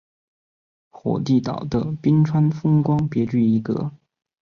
火地岛的冰川风光别具一格。